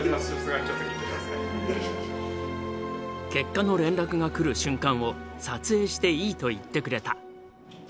結果の連絡が来る瞬間を撮影していいと言ってくれた。